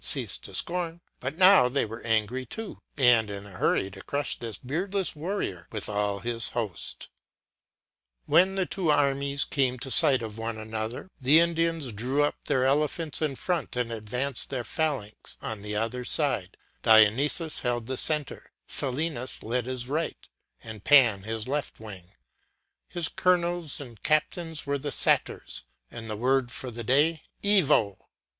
254 ceased to scorn; but now they were angry too, and in a hurry to crush this beardless warrior with all his host. When the two armies came to sight of one another, the Indians4 drew up their elephants in front and advanced their phalanx; on the other side, Dionysus held the centre, Silenus led his right, and Pan his left wing; his colonels and captains were the satyrs, and the word for the day evoe.